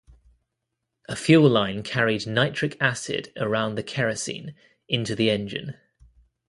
A fuel line carried nitric acid around the kerosene, into the engine.